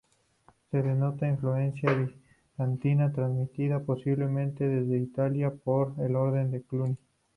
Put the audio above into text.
Se denota la influencia bizantina, transmitida posiblemente desde Italia por la orden de Cluny.